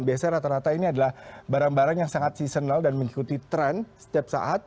biasanya rata rata ini adalah barang barang yang sangat seasonal dan mengikuti tren setiap saat